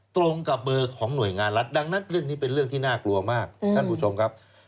ตรงกับเบอร์ของหน่วยงานรัฐดังนั้นเรื่องนี้เป็นเรื่องที่น่ากลัวมากท่านผู้ชมครับ